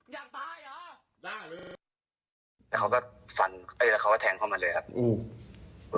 เขาก็แทงเขามาเลยครับ